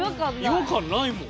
違和感ないもん。